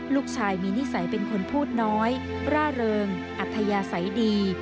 ลูกชายมีนิสัยเป็นคนพูดน้อยร่าเริงอัธยาศัยดี